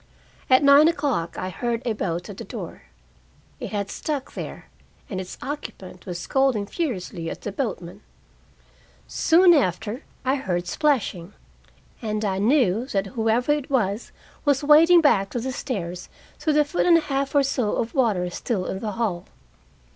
At nine o'clock I heard a boat at the door. It had stuck there, and its occupant was scolding furiously at the boatman. Soon after I heard splashing, and I knew that whoever it was was wading back to the stairs through the foot and a half or so of water still in the hall.